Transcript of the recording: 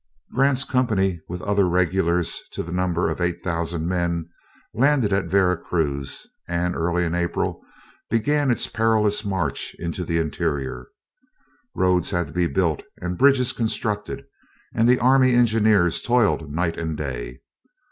Grant's company, with other regulars to the number of eight thousand men, landed at Vera Cruz, and early in April began its perilous march into the interior. Roads had to be built and bridges constructed, and the army engineers toiled night and day.